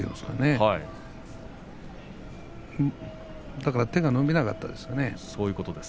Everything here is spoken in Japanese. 阿炎の手が伸びなかったですね。